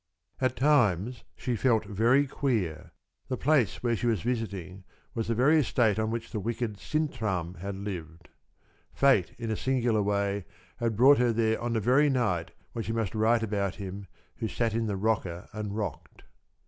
At times she felt very queer. The place where she was visiting was the very estate on which the wicked Sintram had lived. Fate, in a singular way, had brought her there on the very night when she must write about him who sat in the rocker and rocked.